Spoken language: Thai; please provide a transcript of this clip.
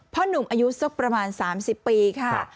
หนุ่มอายุสักประมาณ๓๐ปีค่ะ